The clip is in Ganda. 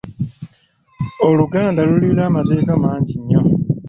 Oluganda lulira amateeka mangi nnyo.